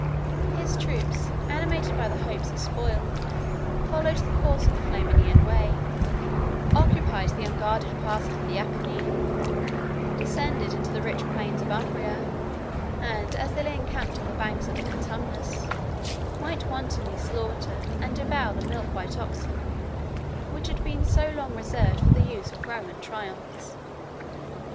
His troops, animated by the hopes of spoil, followed the course of the Flaminian way, occupied the unguarded passes of the Apennine, 4 descended into the rich plains of Umbria; and, as they lay encamped on the banks of the Clitumnus, might wantonly slaughter and devour the milk white oxen, which had been so long reserved for the use of Roman triumphs.